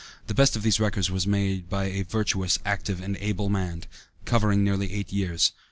The best of these records made by "a virtuous, active and able man," covered nearly eight years.